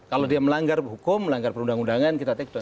kalau dia melanggar hukum melanggar perundang undangan kita take dow